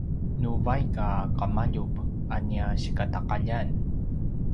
nu vaik a qemaljup a nia sikataqaljan